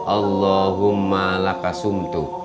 allahumma laka sumtu